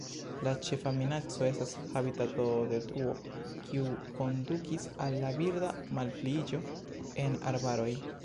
La ĉefa minaco estas habitatodetruo kiu kondukis al la birda malpliiĝo en arbaroj.